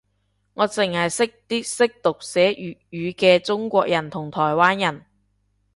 我剩係識啲識讀寫粵語嘅中國人同台灣人